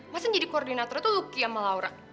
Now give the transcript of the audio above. masa jadi koordinatornya tuh lucky sama laura